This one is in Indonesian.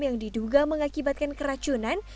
yang diduga mengakibatkan keracunan